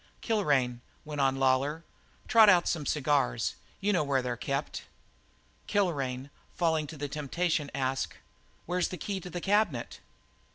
"Kilrain," went on Lawlor, "trot out some cigars. You know where they're kept." Kilrain falling to the temptation, asked: "Where's the key to the cabinet?"